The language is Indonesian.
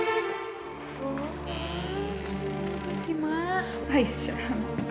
apa sih mah